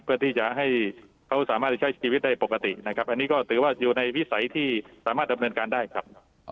เพื่อที่จะให้เขาสามารถจะใช้ชีวิตได้ปกตินะครับอันนี้ก็ถือว่าอยู่ในวิสัยที่สามารถดำเนินการได้ครับ